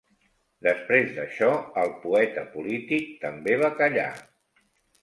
Després d'això, el poeta polític també va callar.